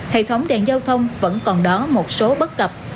hệ thống đèn giao thông vẫn còn đó một số bất cập